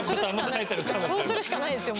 そうするしかないですよ